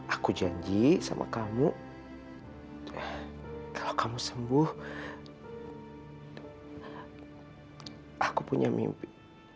aku janji sama kamu kalau kamu sembuh aku punya mimpi